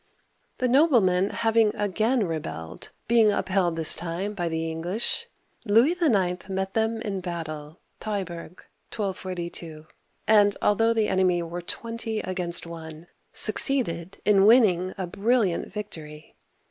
The noblemen having again rebelled, — being upheld this time by the English, — Louis IX. met them in battle (Taillebourg, 1242) and, although the enemy were twenty against one, succeeded in winning a brilliant victory.